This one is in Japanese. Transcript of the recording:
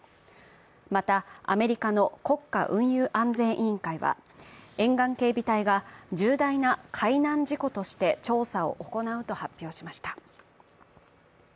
また、アメリカの国家運輸安全委員会は、沿岸警備隊が重大な海難事故として調査を行うと発表しました。